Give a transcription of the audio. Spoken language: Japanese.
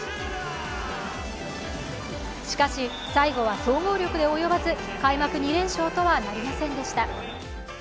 しかし最後は総合力で及ばず開幕２連勝とはなりませんでした。